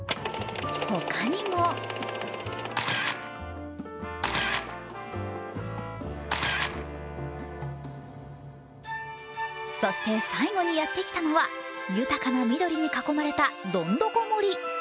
ほかにもそして最後にやってきたのは豊かな緑に囲まれたどんどこ森。